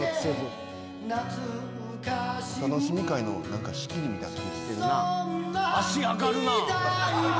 お楽しみ会の仕切りみたいな。